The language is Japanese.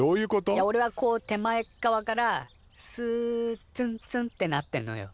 いやおれはこう手前っ側からスッツンツンッてなってんのよ。